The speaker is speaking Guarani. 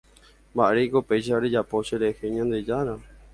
Mba'éreiko péicha rejapo cherehe Ñandejára